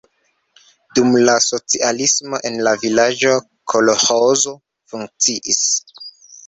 Dum la socialismo en la vilaĝo kolĥozo funkciis.